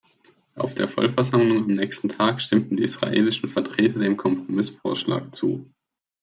Auf der Vollversammlung am nächsten Tag stimmten die israelischen Vertreter dem Kompromissvorschlag zu.